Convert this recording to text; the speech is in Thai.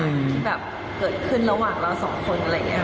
ที่แบบเกิดขึ้นระหว่างเราสองคนอะไรอย่างนี้ค่ะ